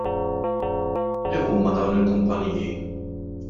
Liema huma dawn il-kumpanniji?